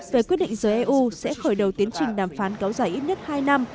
về quyết định giới eu sẽ khởi đầu tiến trình đàm phán kéo dài ít nhất hai năm